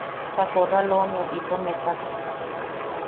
Ta korraloneu itom etak.